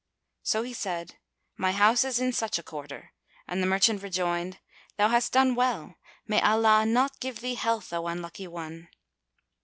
So he said, "My house is in such a quarter;" and the merchant rejoined, "Thou hast done well. May Allah not give thee health, O unlucky one!"